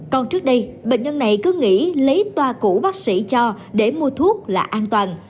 còn trước đây bệnh nhân này cứ nghĩ lấy toa cũ bác sĩ cho để mua thuốc là an toàn